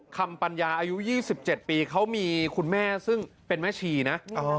ปัญญาอายุ๒๗ปีเขามีคุณแม่ซึ่งเป็นแม่ชีนะ